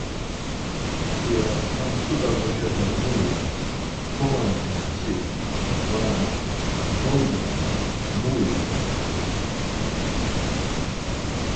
P̌ia ham tzut̆a ǩoçepe mu ives, komandzinesi, varna gondunesi, mu ives? ya do.